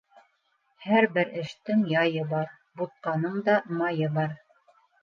Һәр бер эштең яйы бар, бутҡаның да майы бар.